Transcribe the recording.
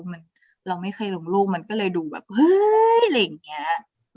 มันเราไม่เคยลงรูปมันก็เลยดูแบบเฮ้ยอะไรอย่างนี้